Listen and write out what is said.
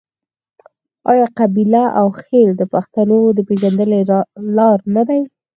آیا قبیله او خیل د پښتنو د پیژندنې لار نه ده؟